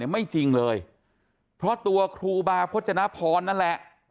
ไม่จริงเลยเพราะตัวครูบาพจนพรนั่นแหละ